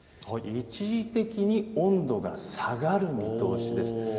一時的に温度が下がる見通しです。